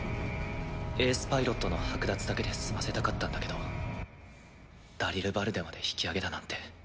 エースパイロットの奪だけで済ませたかったんだけどダリルバルデまで引き揚げだなんて。